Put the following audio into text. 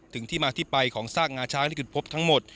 ที่มาที่ไปของซากงาช้างที่ขุดพบทั้งหมด